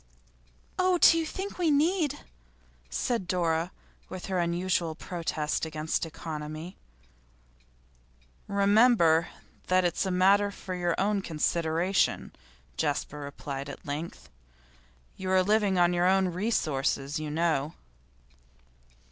'Oh, do you think we need?' said Dora, with unusual protest against economy. 'Remember that it's a matter for your own consideration,' Jasper replied at length. 'You are living on your own resources, you know.